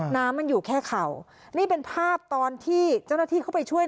น้ำมันอยู่แค่เข่านี่เป็นภาพตอนที่เจ้าหน้าที่เข้าไปช่วย